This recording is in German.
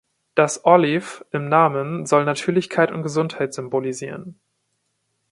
Das "Olive" im Namen soll Natürlichkeit und Gesundheit symbolisieren.